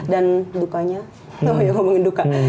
dan dukanya oh ya ngomongin duka